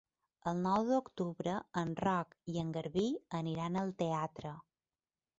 El nou d'octubre en Roc i en Garbí aniran al teatre.